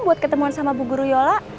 buat ketemuan sama bu guru yola